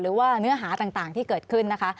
หรือว่าเนื้อหาต่างที่เกิดขึ้นนะคะ